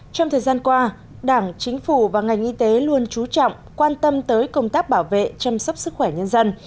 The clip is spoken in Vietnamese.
trong thời gian qua đảng chính phủ và ngành y tế luôn trú trọng quan tâm tới công tác bảo vệ chăm sóc sức khỏe nhân dân